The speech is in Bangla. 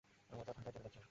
আমার পা ঠাণ্ডায় জমে যাচ্ছে।